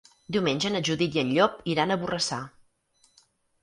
Diumenge na Judit i en Llop iran a Borrassà.